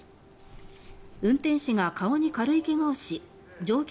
運転士が顔に軽い怪我をし乗客